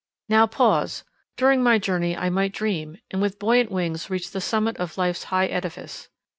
Now pause!—During my journey I might dream, and with buoyant wings reach the summit of life's high edifice.